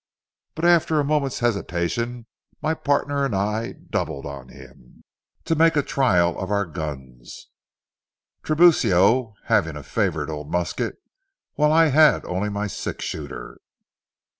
But after a moment's hesitation my partner and I doubled on him, to make trial of our guns, Tiburcio having a favorite old musket while I had only my six shooter.